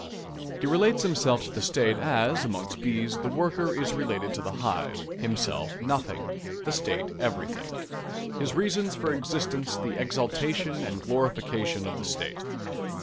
He relates himself to the State as, amongst bees, the worker is related to the hive; himself nothing, the State everything; his reasons for existence the exaltation and glorification of the State.